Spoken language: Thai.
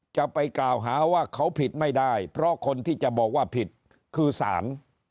จะไปกล่าวหาว่าเขาผิดไม่ได้เพราะคนที่จะบอกว่าผิดคือสาร